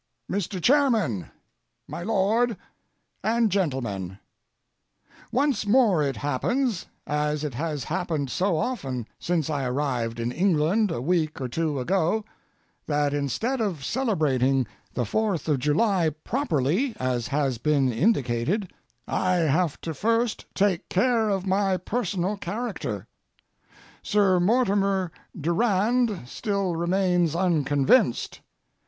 MR. CHAIRMAN, MY LORD, AND GENTLEMEN,—Once more it happens, as it has happened so often since I arrived in England a week or two ago, that instead of celebrating the Fourth of July properly as has been indicated, I have to first take care of my personal character. Sir Mortimer Durand still remains unconvinced.